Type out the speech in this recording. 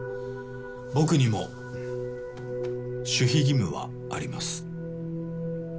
僕にも守秘義務はあります。